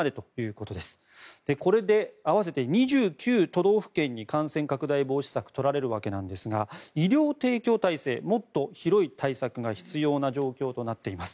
これで合わせて２９都道府県に感染拡大防止策が取られるわけですが医療提供体制もっと広い対策が必要な状況となっています。